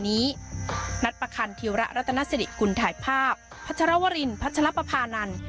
นัดประคันธิระรัตนสิริกุลถ่ายภาพพัชรวรินพัชรปภานันทร์